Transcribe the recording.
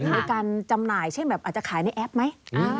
มีการจำหน่ายเช่นแบบอาจจะขายในแอปไหม